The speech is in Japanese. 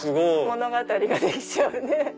物語ができちゃうね。